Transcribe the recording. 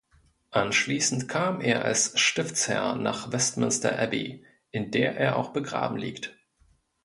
Anschließend kam er als Stiftsherr nach Westminster Abbey, in der er auch begraben liegt.